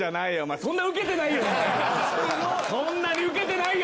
そんなにウケてないよ